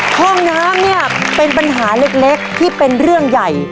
ห้องน้ำเนี่ยเป็นปัญหาเล็กที่เป็นเรื่องใหญ่